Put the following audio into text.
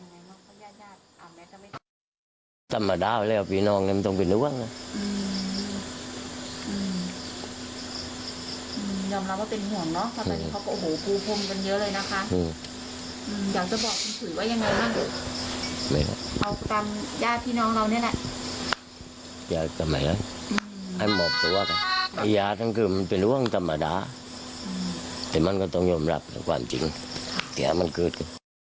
เลยนะคะอยากจะบอกคุณผู้ถือว่ายังไงบ้างครับเอาตามย่าพี่น้องเราเนี่ยแหละอยากจะใหม่แล้วให้มอบตัวไอ้ยาทั้งคือมันเป็นร่วงธรรมดาแต่มันก็ต้องยอมรับกับความจริงเดี๋ยวมันคือ